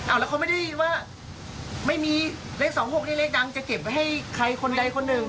อ้าวแล้วเขาไม่ได้ยินว่าไม่มีเลขสองหกนี่เลขดังจะเก็บให้ใครคนใดคนหนึ่ง